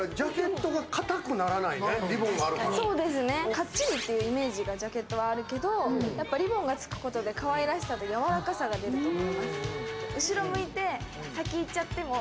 かっちりというイメージがジャケットはあるけど、かわいらしさとやわらかさが出ると思います。